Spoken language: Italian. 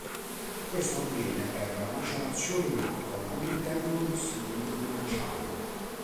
Questo avviene per macerazione in alcool all'interno di sili in acciaio.